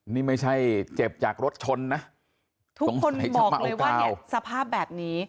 นี่ไม่ใช่เจ็บจากรถชนนะทุกคนบอกเลยว่าเนี่ยสภาพแบบนี้